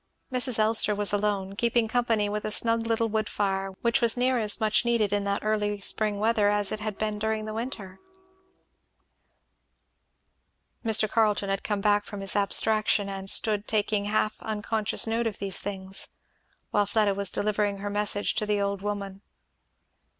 Mrs. Elster was alone, keeping company with a snug little wood fire, which was near as much needed in that early spring weather as it had been during the winter. Mr. Carleton had come back from his abstraction, and stood taking half unconscious note of these things, while Fleda was delivering her message to the old woman.